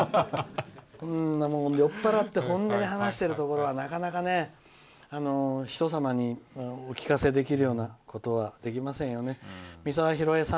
そんなもん酔っ払って本音で話してるところはなかなかね、人様にお聞かせできるようなことはできませんよね。